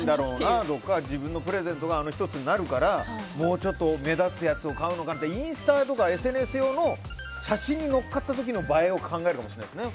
自分のプレゼントがあの１つになるからもうちょっと目立つやつ買うかなとかインスタとかＳＮＳ用の写真に載っかった時の映えを考えるかもしれないですね。